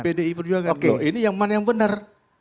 kader pdi perjuangan loh ini yang mana yang benar